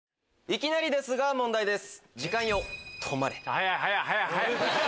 いきなりですが問題です。